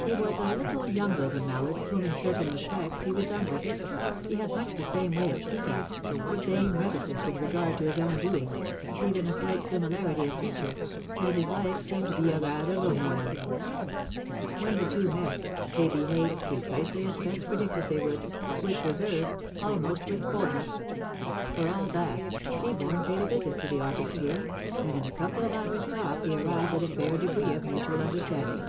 He was a little younger than Mallard, whom in certain respects he resembled; he had much the same way of speaking, the same reticence with regard to his own doings, even a slight similarity of feature, and his life seemed to be rather a lonely one. When the two met, they behaved precisely as Spence predicted they would with reserve, almost with coldness. For all that, Seaborne paid a visit to the artist's room, and in a couple of hours' talk they arrived at a fair degree of mutual understanding.